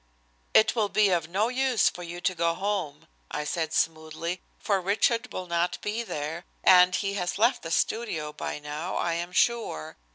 "It will be of no use for you to go home," I said smoothly, "for Richard will not be there, and he has left the studio by now, I am sure.